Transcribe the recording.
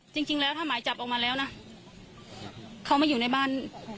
จริงแล้วถ้าหมายจับออกมาแล้วนะเขาไม่อยู่ในบ้าน